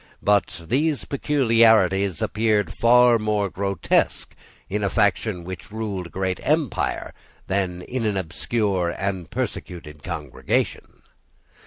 But these peculiarities appeared far more grotesque in a faction which ruled a great empire than in obscure and persecuted congregations.